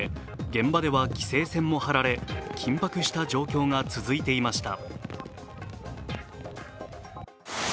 現場では規制線もはられ、緊迫した状況が続いていました。